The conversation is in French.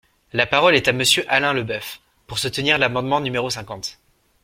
La parole est à Monsieur Alain Leboeuf, pour soutenir l’amendement numéro cinquante.